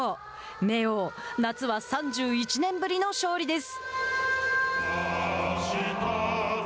明桜夏は３１年ぶりの勝利です。